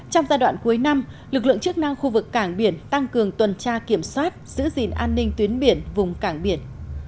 trong giai đoạn cuối năm lực lượng chức năng khu vực cảng biển tăng cường tuần tra kiểm soát giữ gìn an ninh tuyến biển vùng cảng biển